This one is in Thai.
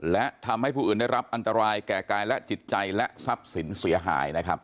และทำให้ผู้อื่นได้รับอันตรายแก่กายและจิตใจและทรัพย์สินเสียหายนะครับ